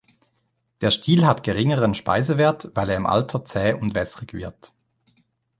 Der Stiel hat geringeren Speisewert, weil er im Alter zäh und wässrig wird.